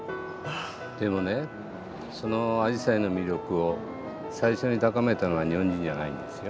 でもねそのアジサイの魅力を最初に高めたのは日本人じゃないんですよ。